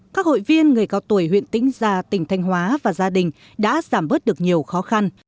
các hội viên người cao tuổi huyện tĩnh gia tỉnh thanh hóa và gia đình đã giảm bớt được nhiều khó khăn